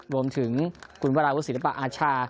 รวมถึงคุณพระราชภูมิศิลปะอาชา